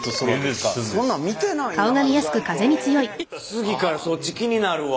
次からそっち気になるわ。